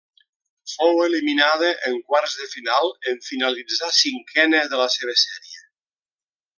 Fou eliminada en quarts de final en finalitzar cinquena de la seva sèrie.